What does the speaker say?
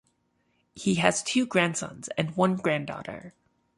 He has two grandsons and one granddaughter.